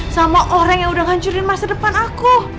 sama orang yang udah ngancurin masa depan aku